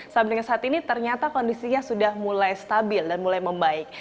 sampai dengan saat ini ternyata kondisinya sudah mulai stabil dan mulai membaik